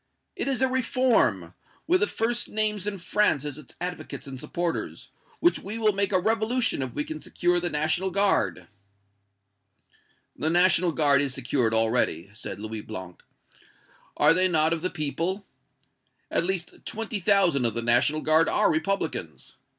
It is a reform, with the first names in France as its advocates and supporters, which we will make a revolution if we can secure the National Guard." "The National Guard is secured already," said Louis Blanc. "Are they not of the people? At least twenty thousand of the National Guard are Republicans.